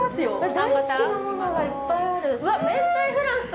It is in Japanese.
大好きなものがいっぱいある。